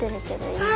はい。